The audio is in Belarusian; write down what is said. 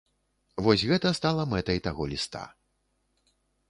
Вось гэта стала мэтай таго ліста.